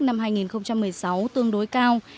năm hai nghìn một mươi sáu tương đối cao